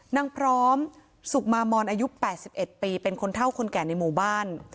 นางพร้อมสุขมามอนอายุ๘๑ปีเป็นคนเท่าคนแก่ในหมู่บ้าน